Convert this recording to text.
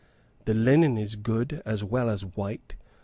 The linen is good, as well as white.